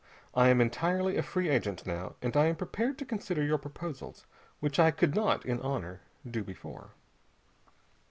I am entirely a free agent now, and I am prepared to consider your proposals, which I could not in honor do before."